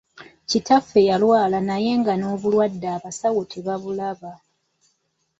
Kitaffe yalwala naye nga n’obulwadde abasawo tebabulaba.